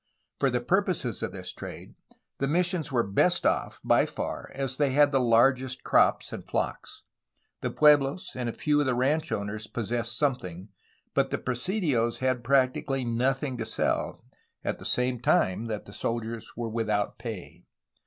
For the purposes of this trade, the missions were best off, by far, as they had the largest crops and flocks. The pueblos and a few of the ranch owners possessed something, but the presi dios had practically nothing to sell, at the same time that the soldiers were without pay.